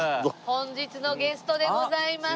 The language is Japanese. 本日のゲストでございます。